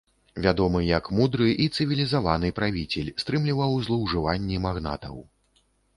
Вядомы як мудры і цывілізаваны правіцель, стрымліваў злоўжыванні магнатаў.